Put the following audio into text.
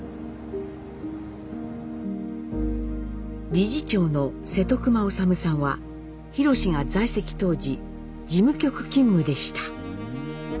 理事長の瀬戸熊修さんはひろしが在籍当時事務局勤務でした。